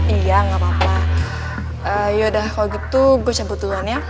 iya enggak apa apa yaudah kalau gitu gue cabut duluan ya